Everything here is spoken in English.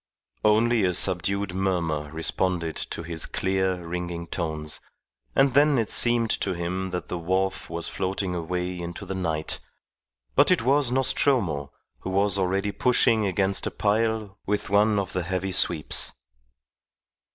Only a subdued murmur responded to his clear, ringing tones; and then it seemed to him that the wharf was floating away into the night; but it was Nostromo, who was already pushing against a pile with one of the heavy sweeps.